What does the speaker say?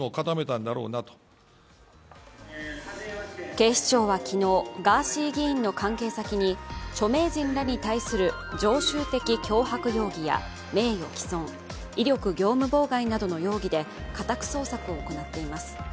警視庁は昨日、ガーシー議員の関係先に著名人らに対する常習的脅迫容疑や名誉毀損、威力業務妨害などの容疑で家宅捜索を行っています。